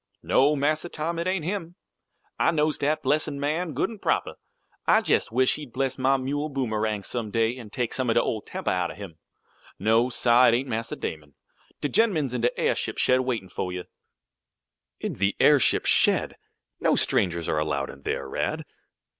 "No, Massa Tom, it ain't him. I knows dat blessin' man good an' proper. I jest wish he'd bless mah mule Boomerang some day, an' take some oh de temper out ob him. No, sah, it ain't Massa Damon. De gen'man's in de airship shed waitin' fo' you." "In the airship shed! No strangers are allowed in there, Rad."